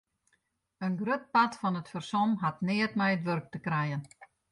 In grut part fan it fersom hat neat mei it wurk te krijen.